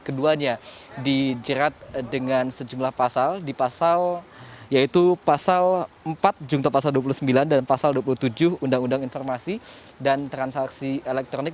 keduanya dijerat dengan sejumlah pasal di pasal yaitu pasal empat jungto pasal dua puluh sembilan dan pasal dua puluh tujuh undang undang informasi dan transaksi elektronik